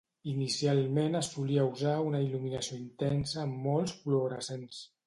Inicialment es solia usar una il·luminació intensa amb molts fluorescents.